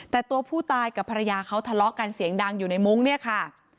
แต่ตัวผู้ตายกับภรรยาเขาทะเลาะกันเสียงดังอยู่ในมุ้งเนี่ยค่ะ